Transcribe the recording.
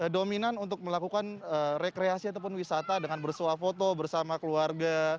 dominan untuk melakukan rekreasi ataupun wisata dengan bersuah foto bersama keluarga